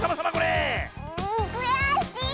くやしい！